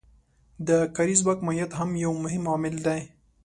د کاري ځواک ماهیت هم یو مهم عامل دی